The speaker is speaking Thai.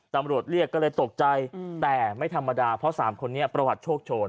ตำรวจเรียกก็เลยตกใจแต่ไม่ธรรมดาเพราะสามคนนี้ประวัติโชคโชน